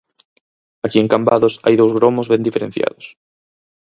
Aquí en Cambados hai dous gromos ben diferenciados.